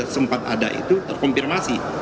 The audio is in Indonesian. sempat ada itu terkonfirmasi